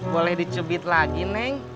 boleh dicebit lagi neng